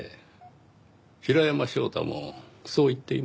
平山翔太もそう言っていました。